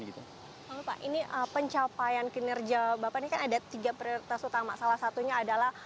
pak ini pencapaian kinerja bapak ini kan ada tiga prioritas utama salah satunya adalah